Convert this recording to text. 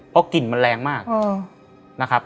เพราะกลิ่นมันแล้งมาก